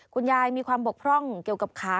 คุณยายมีความบกพร่องเกี่ยวกับขา